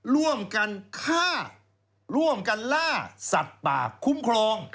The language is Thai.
ร่วมกันฆ่าร่วมกันล่าสัตว์ป่าคุ้มครอง